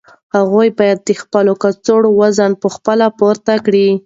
هغوی باید د خپلو کڅوړو وزن په خپله پورته کړي.